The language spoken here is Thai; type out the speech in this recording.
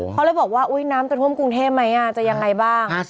เขาเลยบอกว่าอุ๊ยน้ำจะท่วมกรุงเทพไหมจะยังไงบ้าง